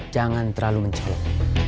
jangan terlalu mencolok